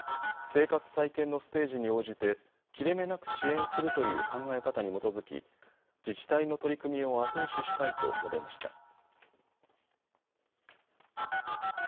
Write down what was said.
生活再建のステージに応じて切れ目なく支援するという考え方に基づき、自治体の取り組みを後押ししたいと述べました。